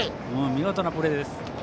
見事なプレーです。